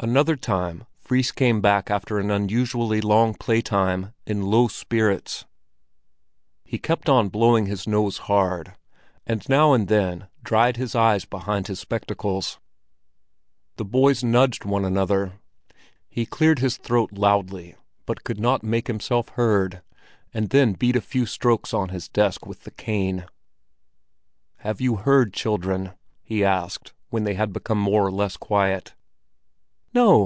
Another time Fris came back after an unusually long playtime in low spirits. He kept on blowing his nose hard, and now and then dried his eyes behind his spectacles. The boys nudged one another. He cleared his throat loudly, but could not make himself heard, and then beat a few strokes on his desk with the cane. "Have you heard, children?" he asked, when they had become more or less quiet. "No!